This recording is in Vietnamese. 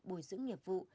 bồi dưỡng nhiệm vụ